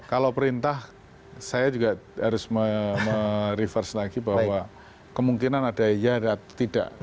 kalau perintah saya juga harus me reverse lagi bahwa kemungkinan ada iya ada tidak